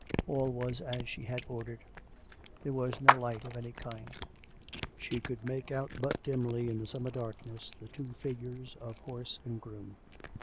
All was as she had ordered. There was no light of any kind: she could make out but dimly in the summer dark ness the two figures of horse and groom.